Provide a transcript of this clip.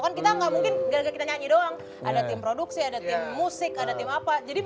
kan kita nggak mungkin gaya nyanyi doang ada tim produksi ada tim musik ada tim apa jadi